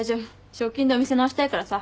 賞金でお店直したいからさ。